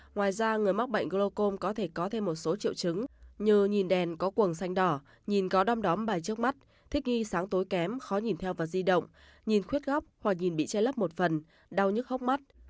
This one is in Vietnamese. ngoài ra người mắc bệnh glocom có thể có thêm một số triệu chứng như nhìn đèn có cuồng xanh đỏ nhìn có đom đóm bài trước mắt thích ghi sáng tối kém khó nhìn theo và di động nhìn khuyết góc hoặc nhìn bị che lấp một phần đau nhức hốc mắt